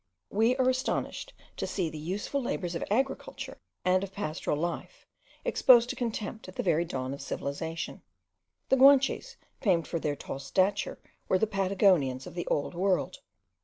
We are astonished to see the useful labours of agriculture, and of pastoral life, exposed to contempt at the very dawn of civilization. The Guanches, famed for their tall stature, were the Patagonians of the old world.